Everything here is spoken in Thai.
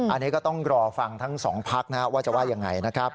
อันนี้ก็ต้องรอฟังทั้งสองพักนะครับว่าจะว่ายังไงนะครับ